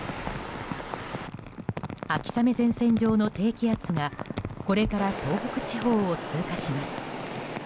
秋雨前線上の低気圧がこれから東北地方を通過します。